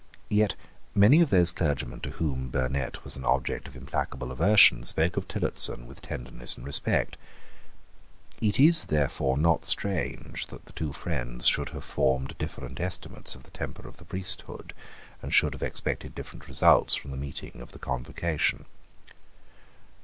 Yet many of those clergymen to whom Burnet was an object of implacable aversion spoke of Tillotson with tenderness and respect. It is therefore not strange that the two friends should have formed different estimates of the temper of the priesthood, and should have expected different results from the meeting of the Convocation.